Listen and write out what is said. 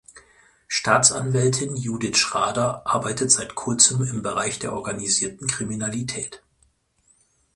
Staatsanwältin Judith Schrader arbeitet seit kurzem im Bereich der Organisierten Kriminalität.